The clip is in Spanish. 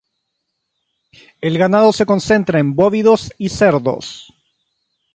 El ganado se concentra en bóvidos y cerdos.